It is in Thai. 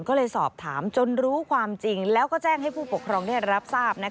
ก็เลยสอบถามจนรู้ความจริงแล้วก็แจ้งให้ผู้ปกครองได้รับทราบ